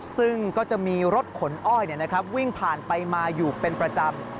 ซึ่งก็จะมีรถขนอ้อยวิ่งผ่านไปมาอยู่เป็นประจำ